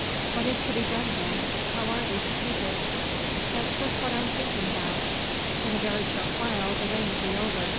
"What is to be done, Ben? How are we to keep it?" "That's just what I'm thinkin' about. In a very short while the rain will be over.